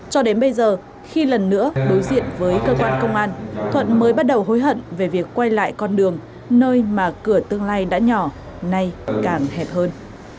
cho đến bây giờ khi lần nữa đối diện với cơ quan công an thuận mới bắt đầu hối hận về việc quay lại con đường nơi mà cửa tương lai đã nhỏ nay càng hẹp hơn